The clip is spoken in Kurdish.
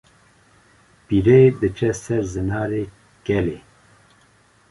Pîrê diçe ser Zinarê Kelê